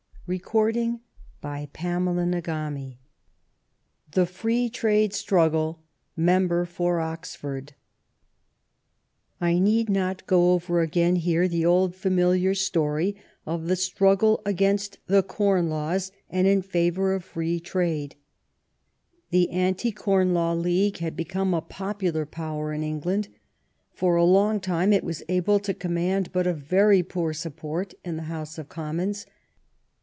CHAPTER IX THE FREE TRADE STRUGGLE; MEMBER FOR OXFORD I NEED not go over again here the old familiar story of the struggle against the Corn Laws and in favor of free trade. The Anti Corn Law League had become a popular power in England. For a long time it was able to command but a very poor support in the House of Commons.